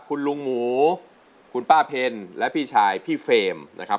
คุณลุงหมูคุณป้าเพ็ญและพี่ชายพี่เฟรมนะครับ